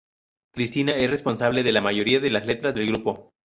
Cristina es responsable de la mayoría de las letras del grupo.